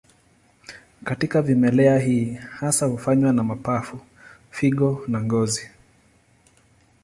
Katika vimelea hii hasa hufanywa na mapafu, figo na ngozi.